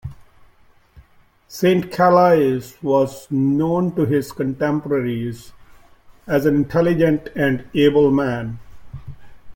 St-Calais was known to his contemporaries as an intelligent and able man.